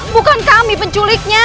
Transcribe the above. bukan kami penculiknya